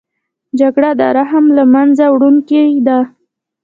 جګړه د رحم له منځه وړونکې ده